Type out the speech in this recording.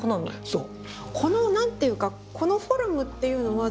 そう。